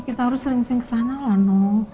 kita harus sering sering kesana lah